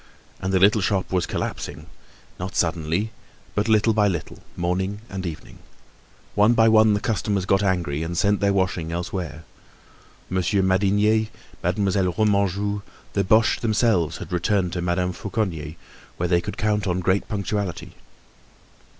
And the little shop was collapsing, not suddenly, but little by little, morning and evening. One by one the customers got angry, and sent their washing elsewhere. Monsieur Madinier, Mademoiselle Remanjou, the Boches themselves had returned to Madame Fauconnier, where they could count on great punctuality.